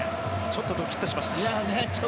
ちょっとドキッとしました。